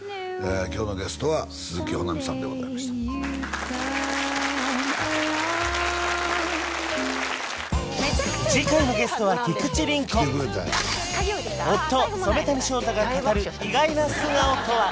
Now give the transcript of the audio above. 今日のゲストは鈴木保奈美さんでございました次回のゲストは夫染谷将太が語る意外な素顔とは！？